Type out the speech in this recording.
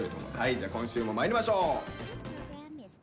じゃあ今週もまいりましょう。